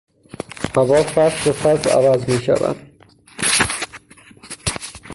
هوا فصل به فصل عوض میشود.